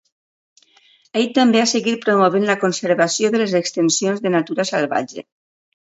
Ell també ha seguit promovent la conservació de les extensions de natura salvatge.